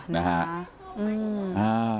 ค่ะนะฮะ